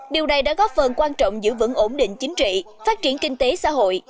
điều này đã góp phần quan trọng giữ vững ổn định chính trị phát triển kinh tế xã hội